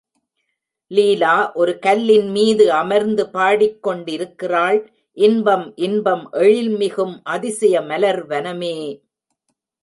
லீலா ஒரு கல்லின் மீது அமர்ந்து பாடிக் கொண்டிருக்கிறாள் இன்பம் இன்பம் எழில்மிகும் அதிசய மலர் வனமே!